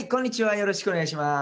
よろしくお願いします。